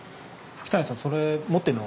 吹谷さんそれ持ってるのは？